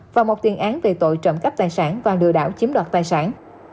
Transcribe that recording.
và một tiền án về tội trộm cắp tài sản và lừa đảo chiếm đoạt tài sản